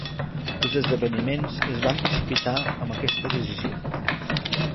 Els esdeveniments es van precipitar amb aquesta decisió.